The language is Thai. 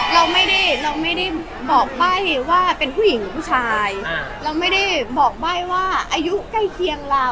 เราไม่ได้เราไม่ได้บอกใบ้ว่าเป็นผู้หญิงหรือผู้ชายเราไม่ได้บอกใบ้ว่าอายุใกล้เคียงเรา